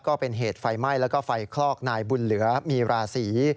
ก็เป็นเหตุไฟไหม้แล้วก็ไฟคลอกนายบุญเหลือมีราศี